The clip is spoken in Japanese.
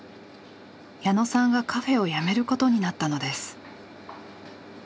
矢野さんがカフェを辞めることになったのです。